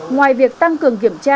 ngoài việc tăng cường kiểu trang